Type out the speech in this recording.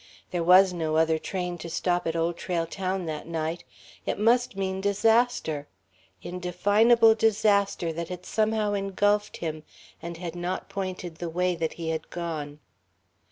There was no other train to stop at Old Trail Town that night. It must mean disaster ... indefinable disaster that had somehow engulfed him and had not pointed the way that he had gone.